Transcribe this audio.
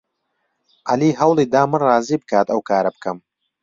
عەلی هەوڵی دا من ڕازی بکات ئەو کارە بکەم.